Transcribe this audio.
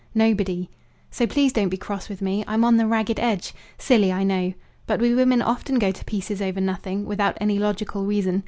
Nobody. So please don't be cross with me. I'm on the ragged edge. Silly, I know. But we women often go to pieces over nothing, without any logical reason.